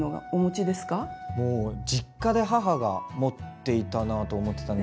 もう実家で母が持っていたなと思ってたんですけど